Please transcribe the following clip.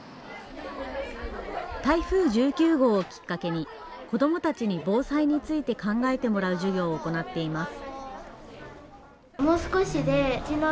台風１９号をきっかけに、子どもたちに防災について考えてもらう授業を行っています。